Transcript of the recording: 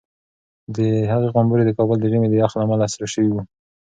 د هغې غومبوري د کابل د ژمي د یخ له امله سره شوي وو.